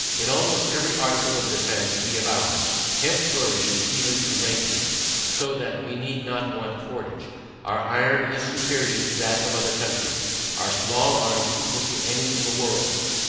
In almost every article of defence we abound. Hemp flourishes even to rankness, so that we need not want cordage. Our iron is superior to that of other countries. Our small arms equal to any in the world.